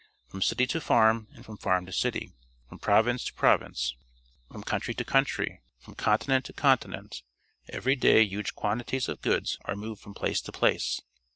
From city to farm and from farm to city, from pro\ince to province, from countrj' to country, from continent to continent, every day huge quantities of goods are moved from place to place.